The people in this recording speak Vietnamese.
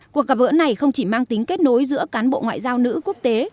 cuộc gặp gỡ này không chỉ mang tính kết nối giữa cán bộ ngoại giao nữ quốc tế